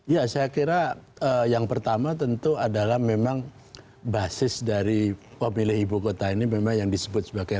ya saya kira yang pertama tentu adalah memang basis dari pemilih ibu kota ini memang yang disebut sebagai